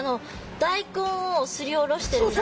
大根をすりおろしてるみたいな。